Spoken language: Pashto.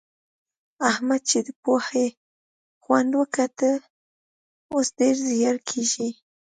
احمد چې د پوهې خوند وکوت؛ اوس ډېر زيار کاږي.